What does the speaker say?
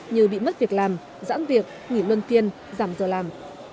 như bị mất việc làm giãn việc nghỉ luân phiên giảm giờ làm